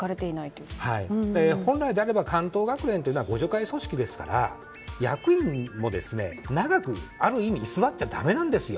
本来であれば関東学連というのは互助会組織ですから役員も長く、ある意味居座っちゃだめなんですよ。